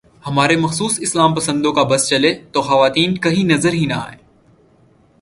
ہمارے مخصوص اسلام پسندوں کا بس چلے تو خواتین کہیں نظر ہی نہ آئیں۔